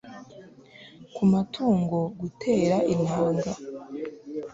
ku matungo gutera intanga